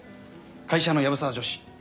会社の藪沢女史。